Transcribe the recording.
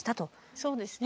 そうですね。